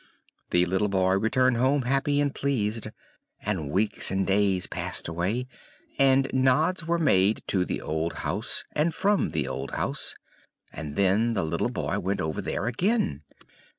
The little boy returned home happy and pleased, and weeks and days passed away, and nods were made to the old house, and from the old house, and then the little boy went over there again.